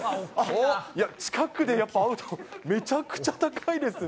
近くでやっぱ会うとめちゃくちゃ高いですね。